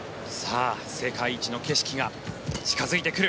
世界一の景色が近付いてくる。